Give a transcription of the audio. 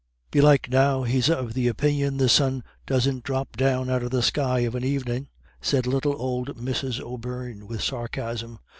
"Belike now he's of the opinion the sun doesn't dhrop down out of the sky of an evenin'," said little old Mrs. O'Beirne, with sarcasm.